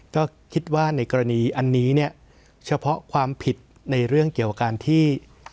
ก็คิดว่าในกรณีอันนี้เนี่ยเฉพาะความผิดในเรื่องเกี่ยวกับการที่